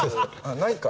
ないか。